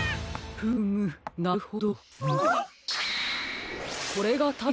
フームなるほど。